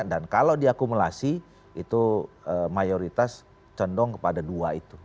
dan kalau diakumulasi itu mayoritas condong kepada dua itu